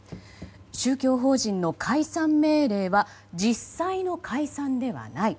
宗教法人の解散命令は実際の解散ではない。